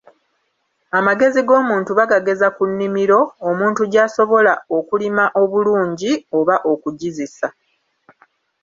Amagezi g'omuntu bagageza ku nnimiro, omuntu gy'asobola okulima obulungi, oba okugizisa.